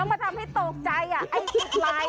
ต้องมาทำให้ตกใจไอ่สุดลาย